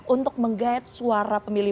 untuk menggait suara pemilih